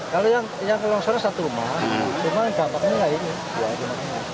kalau yang ke longsornya satu rumah rumah yang kata ini dua rumah